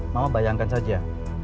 mama bayangkan saja